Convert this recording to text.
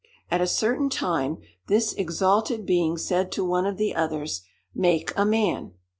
At a certain time, this exalted being said to one of the others, '_Make a man!